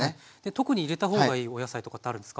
特に入れた方がいいお野菜とかってあるんですか？